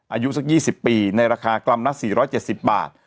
อายุสัก๒๐ปีในราคากรัมละ๔๗๐บาท